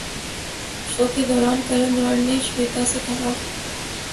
شو کے دوران کرن جوہر نے شویتا سے کہا